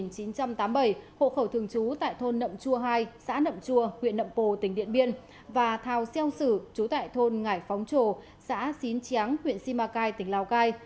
năm một nghìn chín trăm tám mươi bảy hộ khẩu thường trú tại thôn nậm chua hai xã nậm chua huyện nậm pồ tỉnh điện biên và thảo xeo sử chú tại thôn ngải phóng trồ xã xín tráng huyện simacai tỉnh lào cai